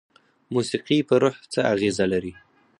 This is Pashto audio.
موسیقي په روح څه اغیزه لري؟